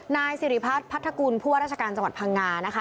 นายสิริพัฒน์พัทธกุลผู้ว่าราชการจังหวัดพังงานะคะ